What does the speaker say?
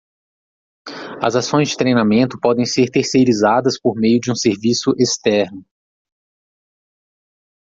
As ações de treinamento podem ser terceirizadas por meio de um serviço externo.